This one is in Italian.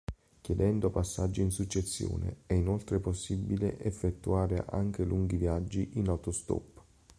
Chiedendo passaggi in successione, è inoltre possibile effettuare anche lunghi viaggi in autostop.